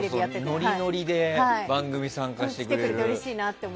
ノリノリで番組に参加してくれる。